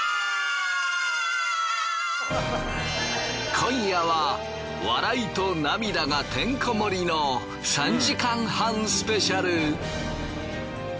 今夜は笑いと涙がてんこ盛りの３時間半スペシャル。